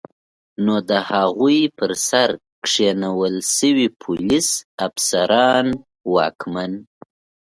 نو د هغوی پر سر کینول شوي پولیس، افسران، واکمن